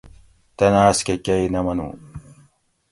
تن آۤس کہ کۤئی نہ منو